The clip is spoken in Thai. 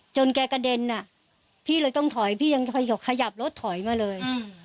แกกระเด็นอ่ะพี่เลยต้องถอยพี่ยังขยับรถถอยมาเลย